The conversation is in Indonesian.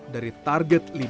dari target lima belas km